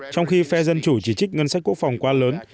trong khi phe dân chủ chỉ trích ngân sách quốc phòng quá lớn